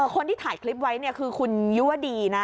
คนที่ถ่ายคลิปไว้คือคุณยุวดีนะ